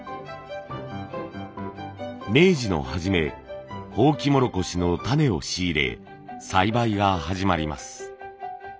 明治の初めホウキモロコシの種を仕入れ栽培が始まります。